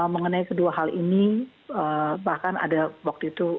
mengenai kedua hal ini bahkan ada waktu itu